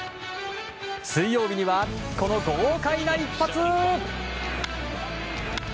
水曜日には、この豪快な一発！